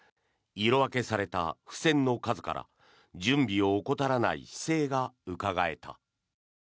色分けされた付せんの数から準備を怠らない姿勢がうかがえた。